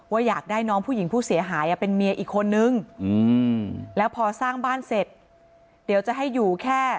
อยากได้น้องผู้หญิงผู้เสียหายเป็นเมียอีกคนนึงแล้วพอสร้างบ้านเสร็จเดี๋ยวจะให้อยู่แค่